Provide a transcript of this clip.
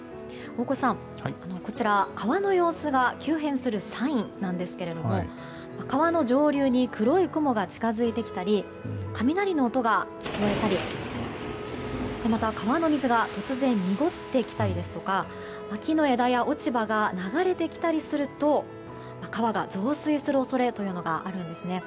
大越さん、こちら川の様子が急変するサインなんですけれども川の上流に黒い雲が近づいてきたり雷の音が聞こえたりまた、川の水が突然、濁ってきたりですとか木の枝や落ち葉が流れてきたりすると川が増水する恐れというのがあるんですね。